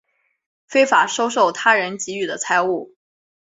非法收受他人给予的财物